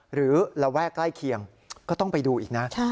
ระแวกใกล้เคียงก็ต้องไปดูอีกนะ